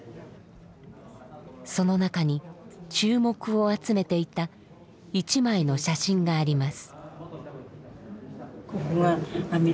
その中に注目を集めていた一枚の写真があります。